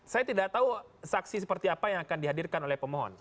saya tidak tahu saksi seperti apa yang akan dihadirkan oleh pemohon